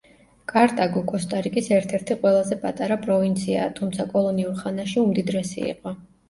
კარტაგო კოსტა-რიკის ერთ–ერთი ყველაზე პატარა პროვინციაა, თუმცა კოლონიურ ხანაში უმდიდრესი იყო.